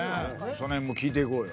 その辺も聞いていこうよ。